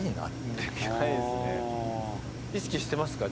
意識してますか？